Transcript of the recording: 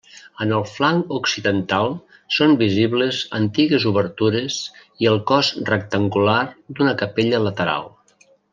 En el flanc occidental són visibles antigues obertures i el cos rectangular d'una capella lateral.